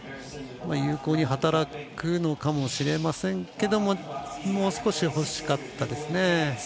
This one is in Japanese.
有効に働くのかもしれませんけれどももう少し欲しかったですね。